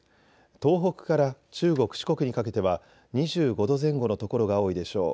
東北から中国、四国にかけては２５度前後の所が多いでしょう。